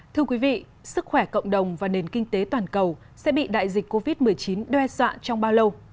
thưa quý vị sức khỏe cộng đồng và nền kinh tế toàn cầu sẽ bị đại dịch covid một mươi chín đoe dọa trong bao lâu